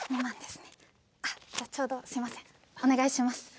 お願いします。